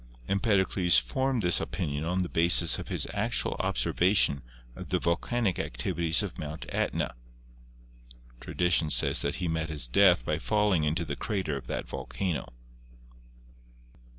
Empedocles formed this opinion on the basis of his actual observation of the volcanic activi ties of Mount Etna. Tradition says that he met his death by falling into the crater of that volcano.